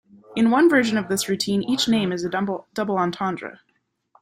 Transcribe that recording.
In one version of this routine, each name is a double entendre.